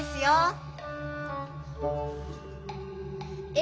え